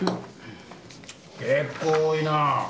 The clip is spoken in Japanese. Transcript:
結構多いな。